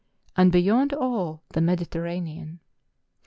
and, beyond all the Mediter¬ ranean.